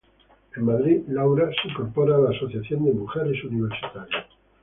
En Madrid Laura se incorporaba a la Asociación de Mujeres Universitarias.